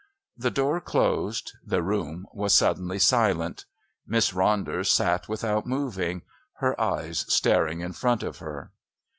The door closed; the room was suddenly silent. Miss Ronder sat without moving, her eyes staring in front of her.